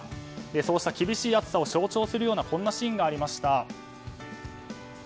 そうした厳しい暑さを象徴するようなこんなシーンがありました。